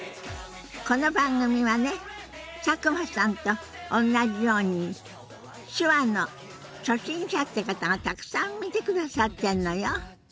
この番組はね佐久間さんとおんなじように手話の初心者って方がたくさん見てくださってんのよ。